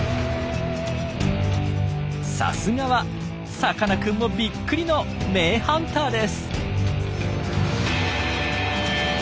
さすがはさかなクンもびっくりの名ハンターです。